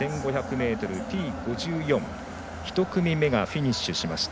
ｍＴ５４１組目がフィニッシュしました。